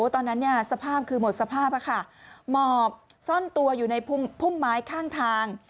สภาพคือหมดสภาพหมอบซ่อนตัวอยู่ในพุ่มไม้ข้างทาง